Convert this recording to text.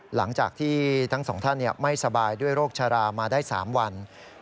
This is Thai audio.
หลังจากที่ทั้งสองท่านไม่สบายด้วยโรคชะลามาได้๓วัน